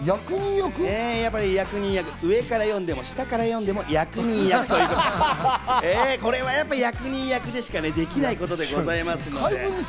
上から読んでも下から読んでも役人役ということで、役人役でしかできないことでございますので。